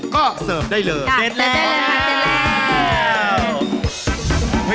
ก็เสิร์ฟได้เลยเสร็จแล้ว